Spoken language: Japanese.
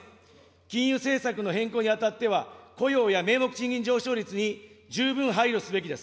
金融政策の変更にあたっては、雇用や名目賃金上昇率に十分配慮すべきです。